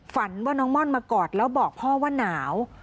ฝันว่าน้องม่อนมากอดแล้วบอกพ่อว่าหนาว